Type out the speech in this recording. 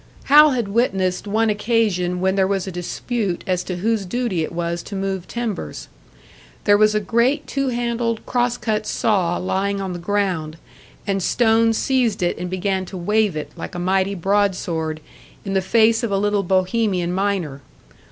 Hal had witnessed one occasion when there was a dispute as to whose duty it was to move timbers. There was a great two handled cross cut saw lying on the ground, and Stone seized it and began to wave it, like a mighty broadsword, in the face of a little Bohemian miner.